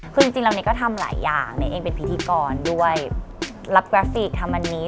คือจริงแล้วเนกก็ทำหลายอย่างเนกเองเป็นพิธีกรด้วยรับกราฟิกทำอันนี้